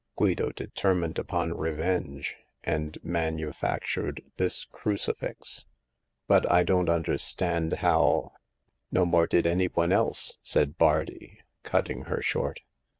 Guido determined upon revenge, and manu factured this crucifix." But I don't understand how "" No more did any one else," said Bardi, cut ting her short.